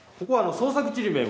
創作ちりめん？